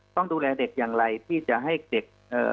ต้องดูแลเด็กอย่างไรที่จะให้เด็กเอ่อ